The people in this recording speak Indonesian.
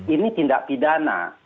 ini tindak pidana